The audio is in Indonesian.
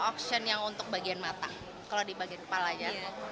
auction yang untuk bagian mata kalau di bagian kepala ya